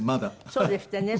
そうですってね。